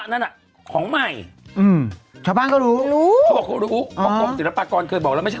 นั่นอ่ะของใหม่ชาวบ้างก็รู้ดูอ่าก่อนก็บอกว่าไม่ใช่